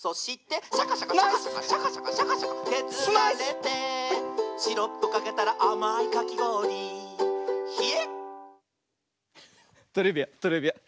「シャカシャカシャカシャカシャカシャカシャカシャカけずられて」「シロップかけたらあまいかきごおりヒエっ！」トレビアントレビアン。